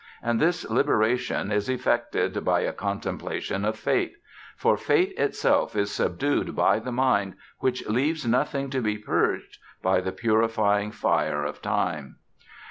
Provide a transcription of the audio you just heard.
And this liberation is effected by a contemplation of Fate; for Fate itself is subdued by the mind which leaves nothing to be purged by the purifying fire of Time.